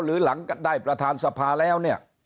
หรือหลังการได้ประธานสภาแล้ว